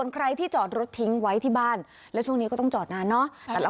ใครที่จอดรถทิ้งไว้ที่บ้านแล้วช่วงนี้ก็ต้องจอดนานเนอะ